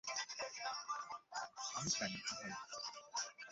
আমি চাই না, ভাইয়া।